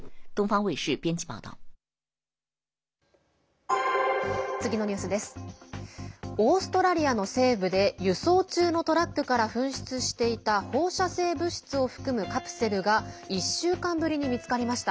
オーストラリアの西部で輸送中のトラックから紛失していた放射性物質を含むカプセルが１週間ぶりに見つかりました。